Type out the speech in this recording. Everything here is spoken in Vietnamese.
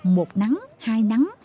một nắng hai nắng